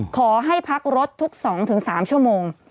ขอให้พักรถทุก๒๓ชั่วโมง